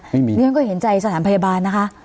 เรียนก็เห็นใจสถานพยาบาลนะคะ